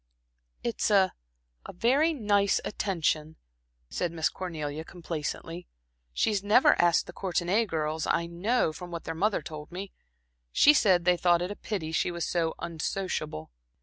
"It's a a very nice attention," said Miss Cornelia, complacently. "She's never asked the Courtenay girls, I know, from what their mother told me. She said they thought it a pity she was so unsociable.